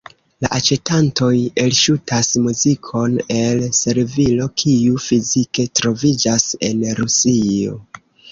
La aĉetantoj elŝutas muzikon el servilo, kiu fizike troviĝas en Rusio.